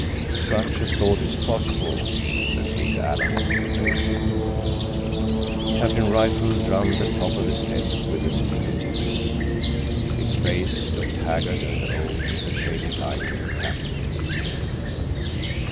"Such a thought is possible," agreed Alan evasively. Captain Rifle drummed the top of his desk with his finger tips. His face looked haggard and old in the shaded light of the cabin.